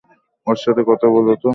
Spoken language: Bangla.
ওর সাথে কথা বলো তো!